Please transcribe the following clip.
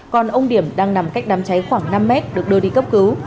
còn ông điểm đang nằm cách đám cháy khoảng năm mét được đưa đi cấp cứu